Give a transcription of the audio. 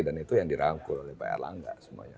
dan itu yang dirangkul oleh pak erlangga